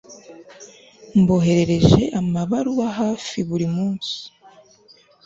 Mboherereje amabaruwa hafi buri munsi